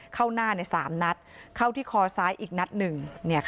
เข้าหน้า๓นัดเข้าที่คอซ้ายอีกนัดหนึ่ง